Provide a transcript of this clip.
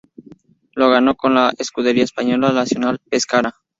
Lo ganó con la escudería española Nacional Pescara.